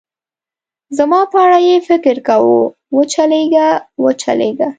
زما په اړه یې فکر کاوه، و چلېږه، و چلېږه.